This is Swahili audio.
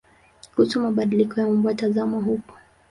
Kuhusu mabadiliko ya umbo tazama huko.